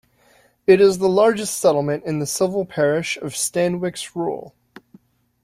It is the largest settlement in the civil parish of Stanwix Rural.